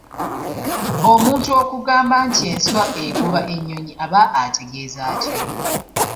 Omuntu okugamba nti enswa egoba ennyonyi aba ategezaaki?